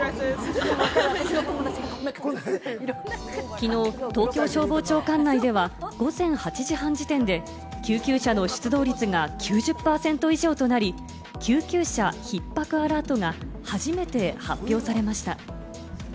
きのう東京消防庁管内では午前８時半時点で救急車の出動率が９０％以上となり、救急車ひっ迫アラートが初めて発表されました。